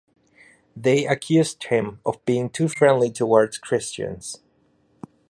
They accused him of being too friendly toward Christians.